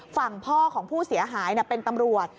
ฝั่งพ่อของผู้เสียหายเป็นตำรวจ